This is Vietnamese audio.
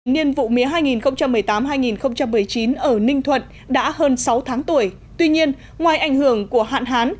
nhiên vụ mía hai nghìn một mươi tám hai nghìn một mươi chín ở ninh thuận đã hơn sáu tháng tuổi tuy nhiên ngoài ảnh hưởng của hạn hán